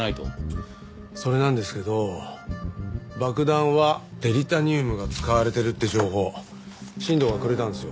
それなんですけど爆弾はデリタニウムが使われてるって情報新藤がくれたんですよ。